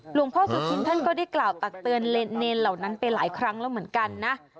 พ่อสุธินท่านก็ได้กล่าวตักเตือนเนรเหล่านั้นไปหลายครั้งแล้วเหมือนกันนะ